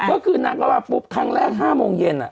ก็คือนางก็มาปุ๊บครั้งแรก๕โมงเย็น